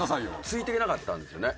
ついていけなかったんですよね。